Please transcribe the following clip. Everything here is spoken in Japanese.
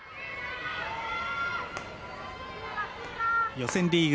予選リーグ